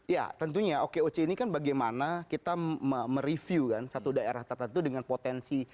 ya tentunya okoc ini kan bagaimana kita mereview kan satu daerah tertentu dengan potensi